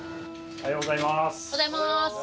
おはようございます。